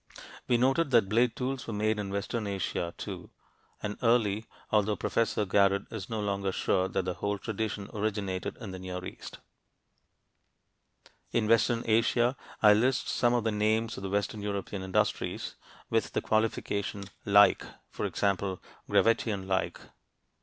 We noted that blade tools were made in western Asia too, and early, although Professor Garrod is no longer sure that the whole tradition originated in the Near East. If you look again at my chart (p. 72) you will note that in western Asia I list some of the names of the western European industries, but with the qualification " like" (for example, "Gravettian like").